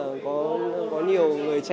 em chỉ mong là có nhiều người trẻ